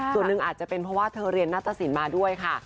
ส่วนหนึ่งอาจจะเป็นเพราะว่าเธอเรียนนัตตสินมาด้วยค่ะ